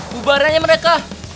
bubarin aja mereka